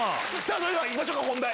それではいきましょうか本題。